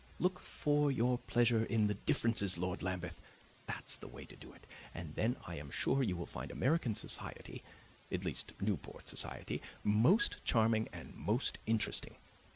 Look for your pleasure in the differences, Lord Lambeth; that's the way to do it; and then I am sure you will find American society at least Newport society most charming and most interesting.